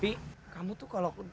pi kamu tuh kalau mau duduk